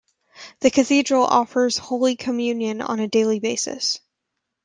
The Cathedral offers Holy Communion on a daily basis.